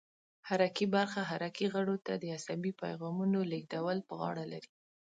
حرکي برخه حرکي غړو ته د عصبي پیغامونو لېږدولو په غاړه لري.